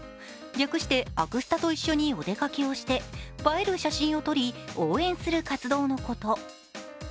略してアクスタと一緒にお出かけをして映える写真を撮り応援する活動のこと。